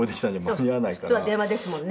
「普通は電話ですもんね」